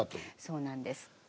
そうなんですはい。